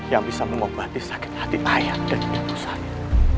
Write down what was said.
yang bisa mengobati sakit hati ayah dan ibu saya